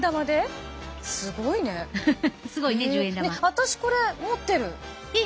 私これ持ってる！え！